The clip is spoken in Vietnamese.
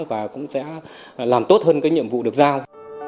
và cũng sẽ làm tốt hơn cái nhiệm vụ được giao